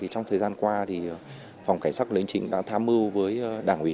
trong thời gian qua phòng cảnh sát hình chính đã tham mưu với đảng ủy